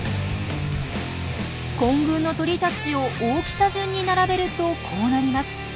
混群の鳥たちを大きさ順に並べるとこうなります。